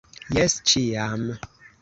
Jes, ĉiam!